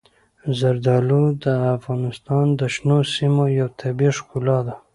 زردالو د افغانستان د شنو سیمو یوه طبیعي ښکلا ده.